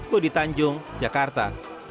budi tanjung jakarta